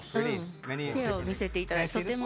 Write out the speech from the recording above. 手を見せていただいて。